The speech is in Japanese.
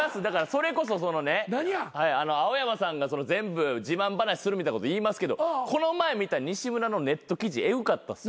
それこそ青山さんが全部自慢話するみたいなこと言いますけどこの前見た西村のネット記事えぐかったです。